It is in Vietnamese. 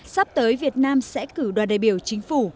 sắp tới việt nam sẽ cử đoàn đại biểu chính phủ